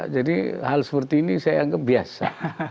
jadi hal seperti ini saya anggap biasa